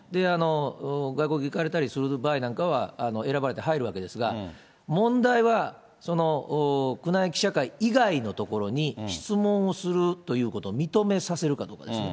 外国行かれたりする場合なんかは、選ばれて入るわけですが、問題は、宮内記者会以外のところに質問をするということを認めさせるかどうかですね。